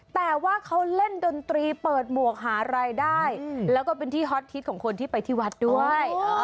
แต่ว่าเขาเล่นดนตรีเปิดหมวกหารายได้แล้วก็เป็นที่ฮอตฮิตของคนที่ไปที่วัดด้วย